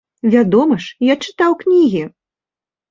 Вядома ж, я чытаў кнігі!